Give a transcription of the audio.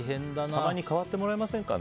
たまに代わってもらえませんかね？